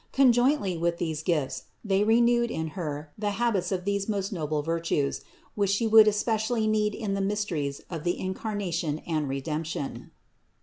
Conjointly with this gift they renewed in Her the habits of these most noble virtues, which She would especially need in the mysteries of the Incarnation and Redemption.